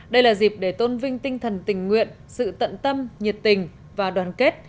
đây là dịp để tôn vinh tinh thần tình nguyện sự tận tâm nhiệt tình và đoàn kết